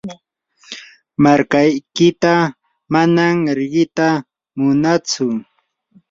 markaykita manam riqita munatsu.